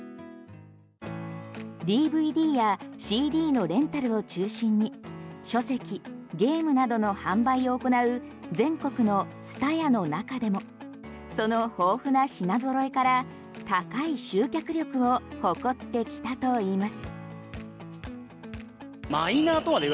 ＤＶＤやＣＤのレンタルを中心に書籍、ゲームなどの販売を行う全国のＴＳＵＴＡＹＡの中でもその豊富な品揃えから高い集客力を誇ってきたといいます。